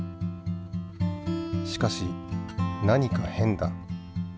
しかし何か変だ。